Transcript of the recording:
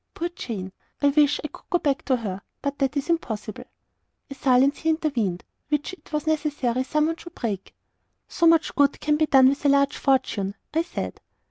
Poor Jane! I wish I could go back to her but that is impossible!" A silence here intervened, which it was necessary some one should break. "So much good can be done with a large fortune," I said.